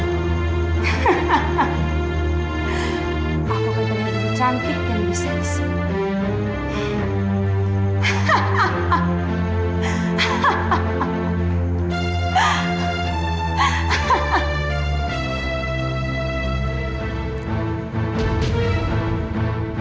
aku akan melihat yang cantik yang bisa disini